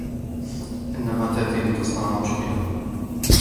إنها تأتي لتصنع مشكلة.